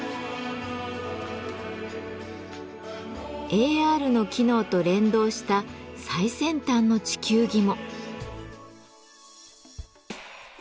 ＡＲの機能と連動した最先端の地球儀も。